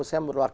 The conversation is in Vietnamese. xem một đoạn